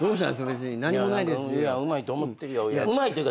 別に何もないです。